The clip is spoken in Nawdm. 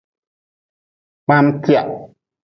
Kpaam-tia.